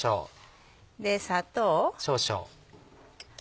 砂糖。